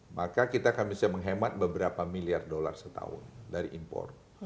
maka kita akan bisa menghemat beberapa miliar dolar setahun dari impor